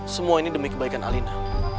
semua ini demi kebaikan alina